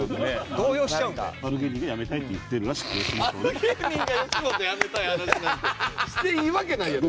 あの芸人が吉本辞めたい話なんてしていいわけないやろ。